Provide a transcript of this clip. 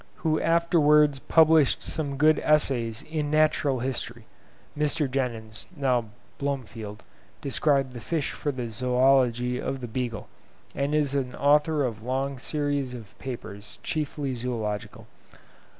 who afterwards published some good essays in Natural History (Mr. Jenyns (now Blomefield) described the fish for the Zoology of the "Beagle"; and is author of a long series of papers, chiefly Zoological.)